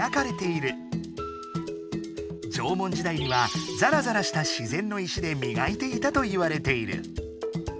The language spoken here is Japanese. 縄文時代にはザラザラした自然の石で磨いていたといわれている。